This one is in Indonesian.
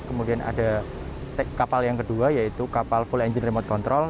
kemudian ada kapal yang kedua yaitu kapal full engine remote control